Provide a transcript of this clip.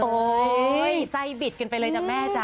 ไส้บิดกันไปเลยจ้ะแม่จ้